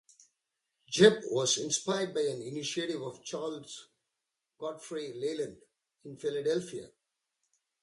Jebb was inspired by an initiative of Charles Godfrey Leland in Philadelphia.